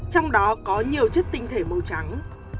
trong đó có nhiều chất tinh thể màu trắng